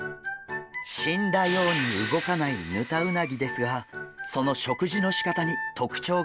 死んだように動かないヌタウナギですがその食事のしかたに特徴があるといいます。